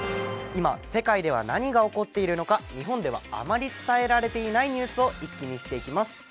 今世界では何が起こっているのか日本ではあまり伝えられていないニュースを一気に見ていきます。